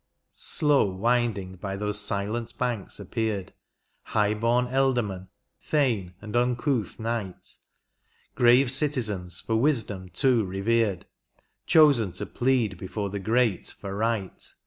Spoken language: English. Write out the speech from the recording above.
Slow winding by those silent banks appeared High bom ealdorman, thane, and uncouth knight. Grave citizens for wisdom, too, revered. Chosen to plead before the great for right.